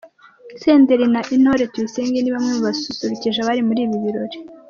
Senderi na Intore Tuyisenge ni bamwe mu basusurukije abari muri ibi birori.